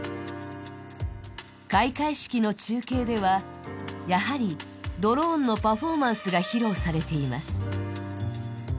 開会式の中継ではやはりドローンのパフォーマンスが披露されています。